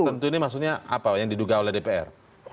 pes tertentu ini maksudnya apa yang diduga oleh dpr